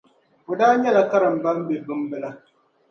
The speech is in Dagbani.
O daa nyɛla karimba m-be Bimbila.